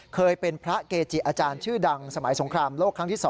เคยเป็นพระเกจิอาจารย์ชื่อดังสมัยสงครามโลกครั้งที่๒